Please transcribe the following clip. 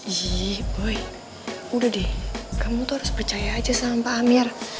iya boy udah deh kamu tuh harus percaya aja sama pak amir